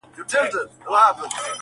ور سره سم ستا غمونه نا بللي مېلمانه سي,